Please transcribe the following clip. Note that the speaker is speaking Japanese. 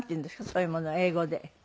そういうもの英語で。